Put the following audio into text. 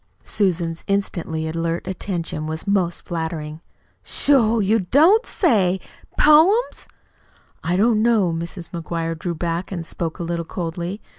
Susan's instantly alert attention was most flattering. "Sho! You don't say! Poems?" "I don't know." Mrs. McGuire drew back and spoke a little coldly.